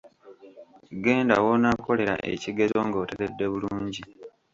Genda, w'onaakolera ekigezo ng'oteredde bulungi.